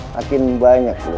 makin banyak lu regit